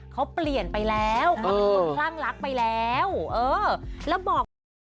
เขาเปลี่ยนไปแล้วเขามีความรักไปแล้วเออแล้วบอก